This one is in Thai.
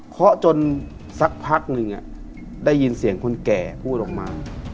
จนสักพักหนึ่งได้ยินเสียงคนแก่พูดออกมา